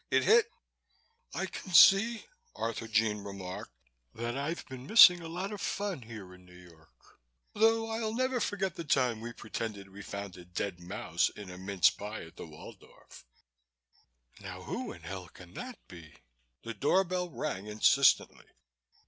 It hit " "I can see," Arthurjean remarked, "that I've been missing a lot of fun here in New York, though I'll never forget the time we pretended we found a dead mouse in a mince pie at the Waldorf Now, who in hell can that be?" The door bell rang insistently.